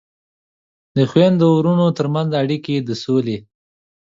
د خویندو ورونو ترمنځ اړیکې د سولې